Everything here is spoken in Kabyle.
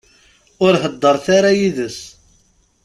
Ur heddṛet ara yid-s.